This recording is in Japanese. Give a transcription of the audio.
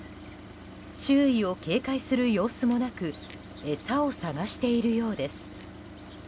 周囲を警戒する様子もなく餌を探しているようです。